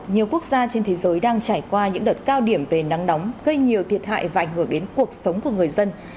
nhiều quốc gia trên thế giới đang trải qua những đợt cao điểm về nắng nóng gây nhiều thiệt hại và ảnh hưởng đến cuộc sống của người dân